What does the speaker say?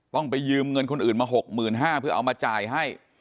ต้องไปยืมเงินคนอื่นมาหกหมื่นห้าเพื่อเอามาจ่ายให้